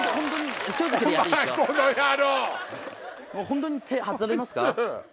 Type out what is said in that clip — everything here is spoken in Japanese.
本当に手外れますか？